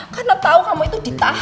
karena tau kan mama gak ada di atasnya